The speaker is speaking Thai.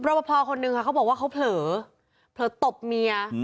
ประพอคนนึงค่ะเขาบอกว่าเขาเผลอตบเมีย